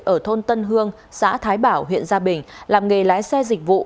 ở thôn tân hương xã thái bảo huyện gia bình làm nghề lái xe dịch vụ